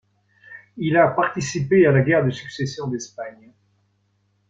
Il a participé à la guerre de succession d'Espagne.